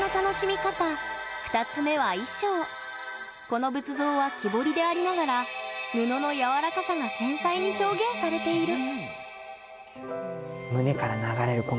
この仏像は木彫りでありながら布のやわらかさが繊細に表現されている。